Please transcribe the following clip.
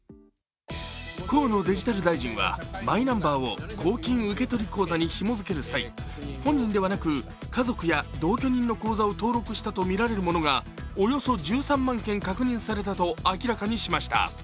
河野デジタル大臣はマイナンバーを公金受取口座にひも付ける際本人ではなく、家族や同居人の口座を登録したとみられるものがおよそ１３万件確認されたと明らかにしました。